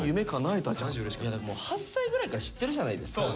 ８歳ぐらいから知ってるじゃないですか。